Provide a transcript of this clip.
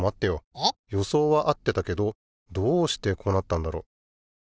予想は合ってたけどどうしてこうなったんだろ。